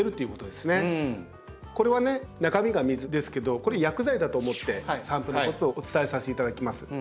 これはね中身が水ですけどこれ薬剤だと思って散布のコツをお伝えさせていただきます。